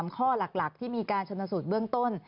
ข้อหลักที่มีการชนสูตรเบื้องต้น